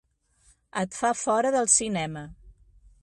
Et fa fora del cinema.